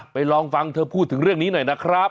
ลองฟังเธอพูดถึงเรื่องนี้หน่อยนะครับ